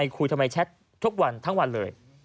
คุยทำไมแชททุกวันทั้งวันเลย